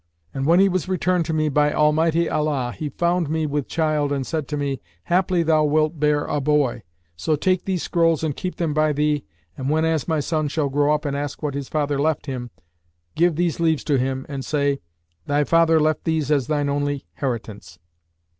And when he was returned to me by Almighty Allah he found me with child and said to me: 'Haply thou wilt bear a boy; so take these scrolls and keep them by thee and whenas thy son shall grow up and ask what his father left him, give these leaves to him and say, 'Thy father left these as thine only heritance.